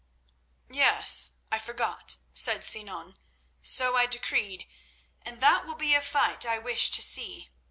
"Yes, I forgot," said Sinan. "So I decreed, and that will be a fight I wish to see.